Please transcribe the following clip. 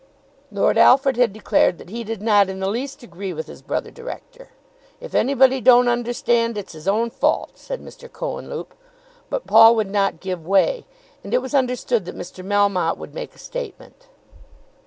Lord Alfred had declared that he did not in the least agree with his brother director. "If anybody don't understand, it's his own fault," said Mr. Cohenlupe. But Paul would not give way, and it was understood that Mr. Melmotte would make a statement.